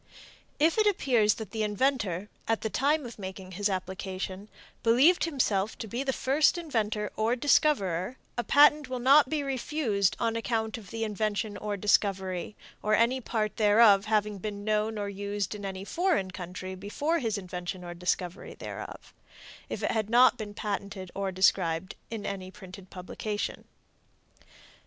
If it appears that the inventor, at the time of making his application, believed himself to be the first inventor or discoverer, a patent will not be refused on account of the invention or discovery, or any part thereof, having been known or used in any foreign country before his invention or discovery thereof, if it had not been before patented or described in any printed publication.